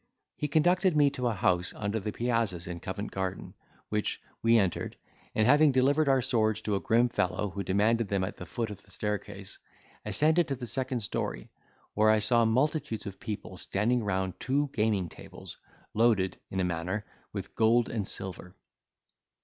He conducted me to a house under the piazzas in Covert Garden, which we entered, and having delivered our swords to a grim fellow who demanded them at the foot of the staircase, ascended to the second story, where I saw multitudes of people standing round two gaming tables, loaded, in a manner, with gold and silver.